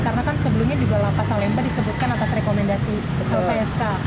karena kan sebelumnya juga lapa salemba disebutkan atas rekomendasi psk